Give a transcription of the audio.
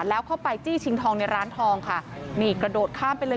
แล้วเข้าไปจี้ชิงทองในร้านทองค่ะนี่กระโดดข้ามไปเลย